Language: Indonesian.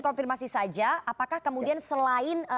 konfirmasi saja apakah kemudian selain